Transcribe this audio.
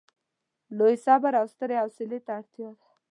لوی صبر او سترې حوصلې ته اړتیا ده.